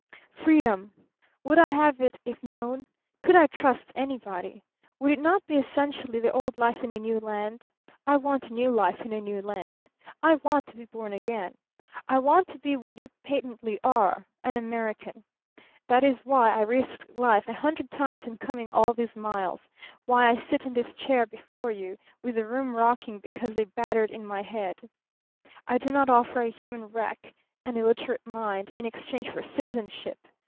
"Freedom! Would I have it if known? Could I trust anybody? Would it not be essentially the old life in a new land? I want a new life in a new land. I want to be born again. I want to be what you patently are, an American. That is why I risked life a hundred times in coming all these miles, why I sit in this chair before you, with the room rocking because they battered in my head. I do not offer a human wreck, an illiterate mind, in exchange for citizenship.